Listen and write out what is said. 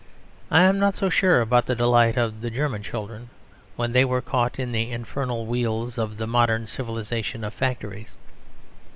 I am not so sure about the delight of the German children, when they were caught in the infernal wheels of the modern civilisation of factories.